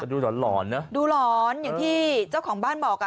ดูหลอนหลอนนะดูหลอนอย่างที่เจ้าของบ้านบอกอ่ะ